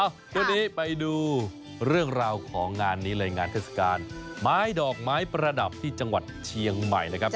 ช่วงนี้ไปดูเรื่องราวของงานนี้เลยงานเทศกาลไม้ดอกไม้ประดับที่จังหวัดเชียงใหม่นะครับ